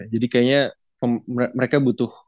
jadi kayaknya mereka butuh